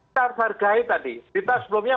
kita hargai tadi kita sebelumnya